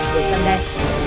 để chăn đen